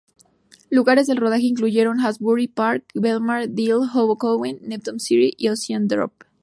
Lugares de rodaje incluyeron Asbury Park, Belmar, Deal, Hoboken, Neptune City y Ocean Grove.